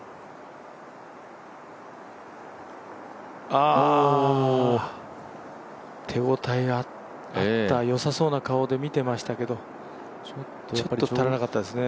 あ、手応えあった、よさそうな顔で見てましたけどちょっと足らなかったですね。